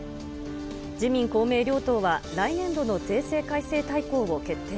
自民、公明両党は、来年度の税制改正大綱を決定。